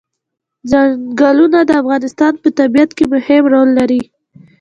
چنګلونه د افغانستان په طبیعت کې مهم رول لري.